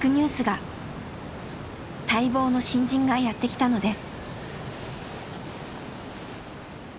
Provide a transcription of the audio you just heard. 待望の新人がやって来たのです。